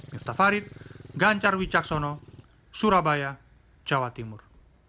mirta farid gancar wijaksono surabaya jawa timur